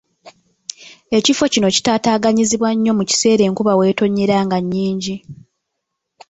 Ekifo kino kitaataaganyizibwa nnyo mu kiseera enkuba weetonnyera nga nnyingi.